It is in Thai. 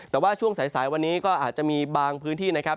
แต่ว่าช่วงสายวันนี้ก็อาจจะมีบางพื้นที่นะครับ